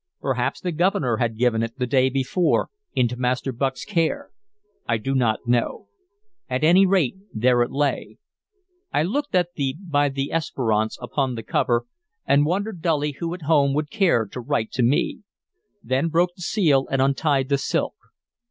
Perhaps the Governor had given it, the day before, into Master Bucke's care, I do not know; at any rate, there it lay. I looked at the "By the Esperance" upon the cover, and wondered dully who at home would care to write to me; then broke the seal and untied the silk.